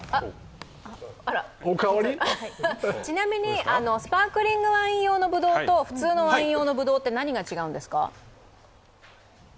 ちなみにスパークリングワイン用のぶどうと普通のワイン用のぶどうって何が違うんですか？